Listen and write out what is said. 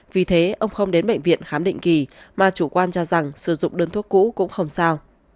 vì thế ông không đến bệnh viện khám định kỳ mà chủ quan cho rằng sử dụng đơn thuốc cũ cũng không sao